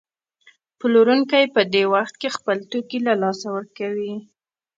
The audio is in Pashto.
پلورونکی په دې وخت کې خپل توکي له لاسه ورکوي